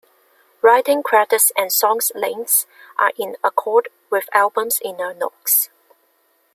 Writing credits and songs' lengths are in accord with album's inner notes.